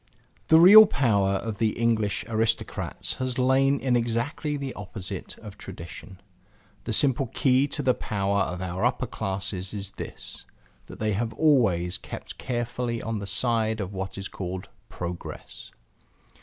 The real power of the English aristocrats has lain in exactly the opposite of tradition. The simple key to the power of our upper classes is this: that they have always kept carefully on the side of what is called Progress.